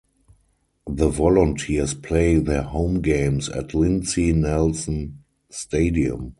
The Volunteers play their home games at Lindsey Nelson Stadium.